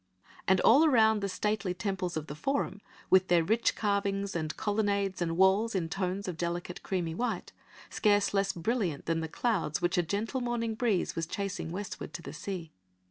And all around the stately temples of the Forum, with their rich carvings and colonnades and walls in tones of delicate creamy white, scarce less brilliant than the clouds which a gentle morning breeze was chasing westwards to the sea.